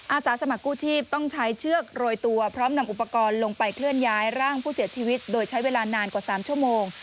อาสาสมัครกู้ชีพต้องใช้เชือกโรยตัวพร้อมนำอุปกรณ์ลงไปเคลื่อนย้ายร่างผู้เสียชีวิตโดยใช้เวลานานกว่า๓ชั่วโมง